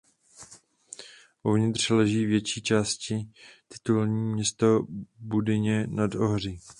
Uvnitř leží větší částí titulní město Budyně nad Ohří.